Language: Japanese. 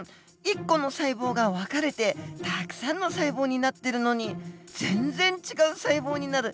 １個の細胞が分かれてたくさんの細胞になってるのに全然違う細胞になる